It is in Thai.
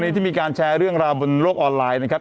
ที่มีการแชร์เรื่องราวบนโลกออนไลน์นะครับ